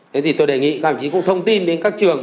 thế thì tôi đề nghị các đồng chí cũng thông tin đến các trường